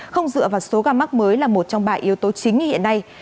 không dựa vào số ca mắc mới là một trong bài yếu tố chính hiện nay